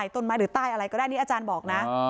ก็ได้อะไรก็ได้นี่อาจารย์บอกนะ